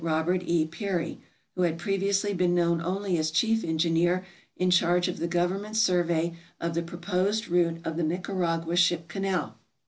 Robert E. Peary, who had previously been known only as chief engineer in charge of the government survey of the proposed route of the Nicaragua Ship Canal.